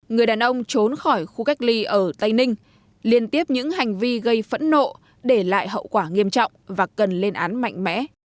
người đàn ông trốn khỏi khu cách ly ở tây ninh liên tiếp những hành vi gây phẫn nộ để lại hậu quả nghiêm trọng và cần lên án mạnh mẽ